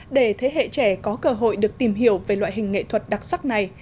để thế hệ trẻ có cơ hội được tìm hiểu về loại hình nghệ thuật đặc sắc này